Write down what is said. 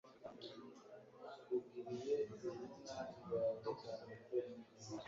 ugiriye izina ryawecyane pe